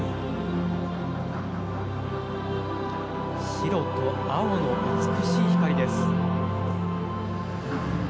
白と青の美しい光です。